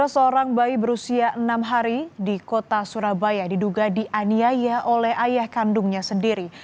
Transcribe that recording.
seorang bayi berusia enam hari di kota surabaya diduga dianiaya oleh ayah kandungnya sendiri